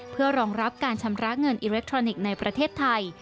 เพื่อรองรับการชำระเงินอิเล็กทรอนิกส์ในประเทศไทย